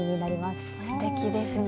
すてきですね。